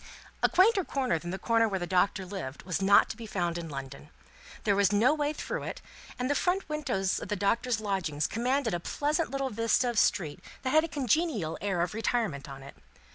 A quainter corner than the corner where the Doctor lived, was not to be found in London. There was no way through it, and the front windows of the Doctor's lodgings commanded a pleasant little vista of street that had a congenial air of retirement on it.